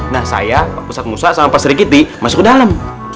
nah saya pusat musa sama pak serikiti masuk ke dalam